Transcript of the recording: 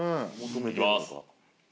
いきます。